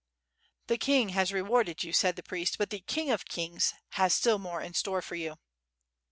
"The king has rewarded you," said the priest, ; *T)ut the King of Kings has still more in store for you."